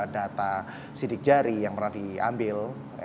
data sidik jari yang pernah diambil